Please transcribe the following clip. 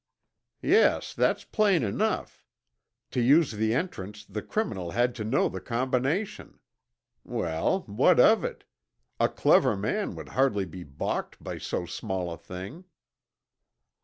"Yes, that's plain enough. To use the entrance the criminal had to know the combination. Well, what of it? A clever man would hardly be balked by so small a thing."